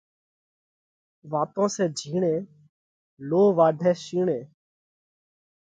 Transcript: واتون سئہ جھِيڻي، لو واڍئہ شيڻي!